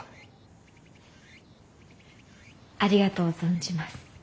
ありがとう存じます。